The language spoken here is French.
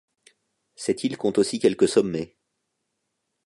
Cette île compte aussi quelques sommets.